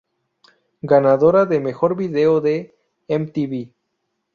Ganadora de Mejor Video de Mtv.